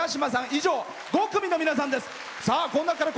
以上、５組の皆さんです。